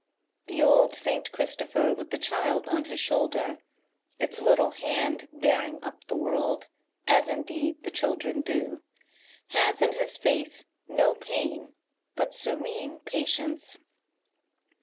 The old St. Christopher with the Child on his shoulder — its little hand bearing up the world, as indeed the children do — has in his face no pain but serene patience.